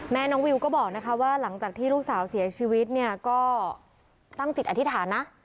น้องวิวก็บอกนะคะว่าหลังจากที่ลูกสาวเสียชีวิตเนี่ยก็ตั้งจิตอธิษฐานนะ